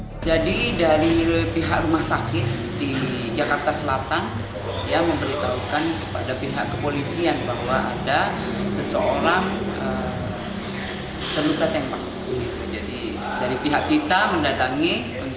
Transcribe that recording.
kita mendadangi untuk rumah sakit tersebut kemudian kita dalangi